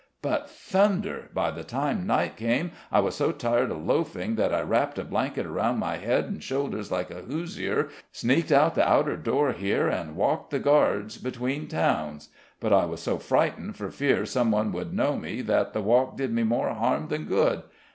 But thunder! by the time night came, I was so tired of loafing that I wrapped a blanket around my head and shoulders, like a Hoosier, sneaked out the outer door here, and walked the guards, between towns; but I was so frightened for fear some one would know me that the walk did me more harm than good.